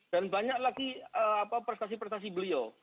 dan banyak lagi prestasi prestasi beliau